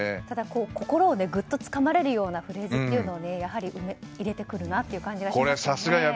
ただ、心をぐっとつかまれるようなフレーズをやはり入れてくるなという感じがしますね。